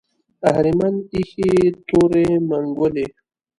اهریمن ایښې تورې منګولې